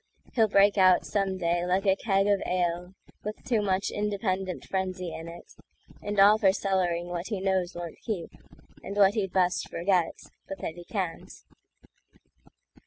He'll break out some day like a keg of aleWith too much independent frenzy in it; And all for cellaring what he knows won't keep, And what he'd best forget—but that he can't.